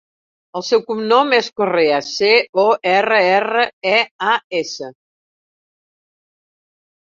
El seu cognom és Correas: ce, o, erra, erra, e, a, essa.